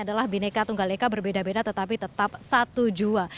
adalah bineka tunggal ika berbeda beda tetapi tetap satu jua